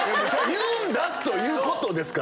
言うんだということですから。